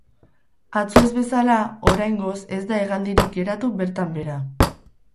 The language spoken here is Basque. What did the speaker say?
Atzo ez bezala, oraingoz ez da hegaldirik geratu bertan behera.